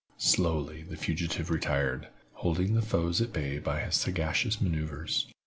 Slowly the fugitive retired, holding his foes at bay by his sagacious maneuvers.